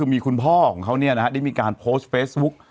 มีคุณพ่อของเขาได้มีการโพสต์เฟซบุ๊ก